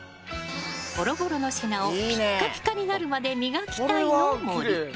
ボロボロの品をピッカピカになるまで磨きたいの森。